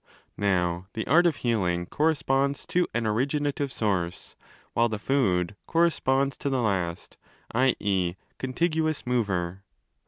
Now the art of healing corresponds to an 'originative source', while the food corresponds to 'the last' (i. 6. ' contiguous') mover.?